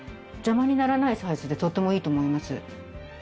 邪魔にならないサイズでとってもいいと思います。